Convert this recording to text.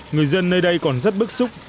người dân nơi đây còn rất bức xúc